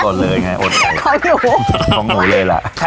ของหนูของหนูเลยละ